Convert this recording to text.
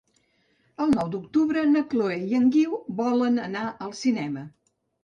El nou d'octubre na Chloé i en Guiu volen anar al cinema.